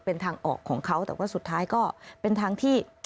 เป็นทางออกของเขาแต่ว่าสุดท้ายก็เป็นทางที่